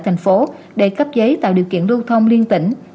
thành phố để cấp giấy tạo điều kiện lưu thông liên tỉnh